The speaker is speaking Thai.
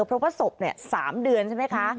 เพราะว่าศพ๓เดือนใช่ไหมคะ